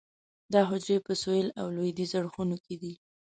دا حجرې په سویل او لویدیځ اړخونو کې دي.